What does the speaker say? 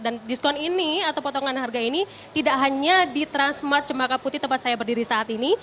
dan diskon ini atau potongan harga ini tidak hanya di transmart cempaka putih tempat saya berdiri saat ini